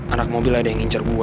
anak mobil ada yang ngincer gue